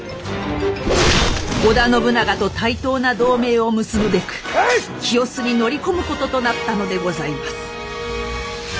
織田信長と対等な同盟を結ぶべく清須に乗り込むこととなったのでございます。